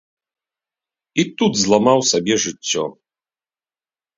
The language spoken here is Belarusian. І тут зламаў сабе жыццё.